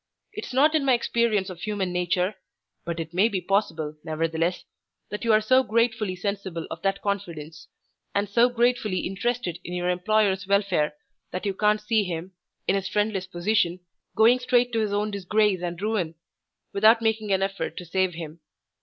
It's not in my experience of human nature but it may be possible, nevertheless that you are so gratefully sensible of that confidence, and so gratefully interested in your employer's welfare, that you can't see him, in his friendless position, going straight to his own disgrace and ruin, without making an effort to save him.